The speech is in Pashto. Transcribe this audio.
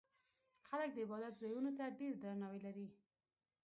خلک د عبادت ځایونو ته ډېر درناوی لري.